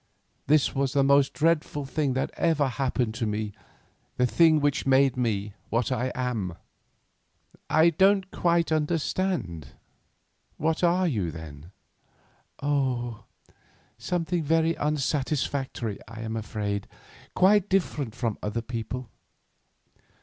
This was the most dreadful thing that ever happened to me, the thing which made me what I am." "I don't quite understand. What are you, then?" "Oh, something very unsatisfactory, I am afraid, quite different from other people.